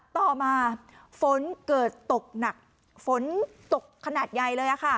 ต่อมาฝนเกิดตกหนักฝนตกขนาดใหญ่เลย